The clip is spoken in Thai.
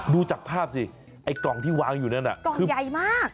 ดูจากภาพสิไอ้กล่องที่วางอยู่นั่นน่ะกล่องใหญ่มาก